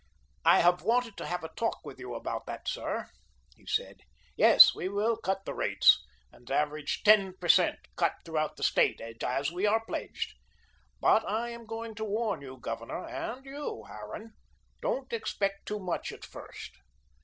"I have wanted to have a talk with you about that, sir," he said. "Yes, we will cut the rates an average 10 per cent. cut throughout the State, as we are pledged. But I am going to warn you, Governor, and you, Harran; don't expect too much at first.